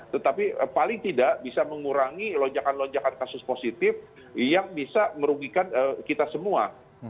tetapi paling tidak bisa mengurangi lonjakan lonjakan kasus positif yang bisa merugikan kita semua